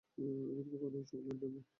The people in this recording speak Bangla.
আমি তোমাকে অনেক চকলেট দেবো।